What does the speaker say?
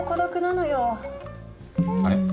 あれ？